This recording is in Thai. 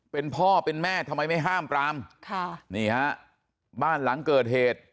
เป็นพ่อเป็นแม่ทำไมไม่ห้ามปรามค่ะนี่ฮะบ้านหลังเกิดเหตุ